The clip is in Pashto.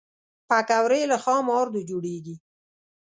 پکورې له خام آردو جوړېږي